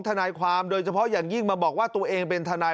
ทนายความโดยเฉพาะอย่างยิ่งมาบอกว่าตัวเองเป็นทนาย